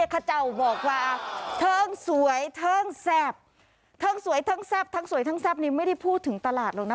ขเจ้าบอกว่าเทิงสวยเทิงแซ่บเทิงสวยทั้งแซ่บทั้งสวยทั้งแซ่บนี่ไม่ได้พูดถึงตลาดหรอกนะ